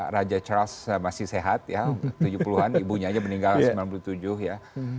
raja charles masih sehat ya tujuh puluh an ibunya aja meninggal sembilan puluh tujuh ya